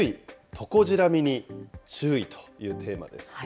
トコジラミに注意というテーマです。